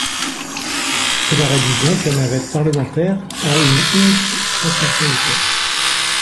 Cela réduit donc la navette parlementaire à une unique transmission du texte.